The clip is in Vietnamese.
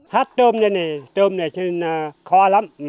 hát tôm này tôm này khó lắm